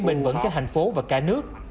bền vững cho thành phố và cả nước